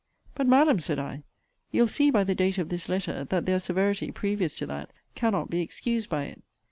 But, Madam, said I, you'll see by the date of this letter, that their severity, previous to that, cannot be excused by it.